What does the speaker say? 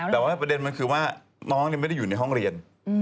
แต่ว่าประเด็นมันคือว่าน้องไม่ได้อยู่ในห้องเรียน